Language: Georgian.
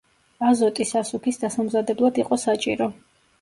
აზოტი სასუქის დასამზადებლად იყო საჭირო.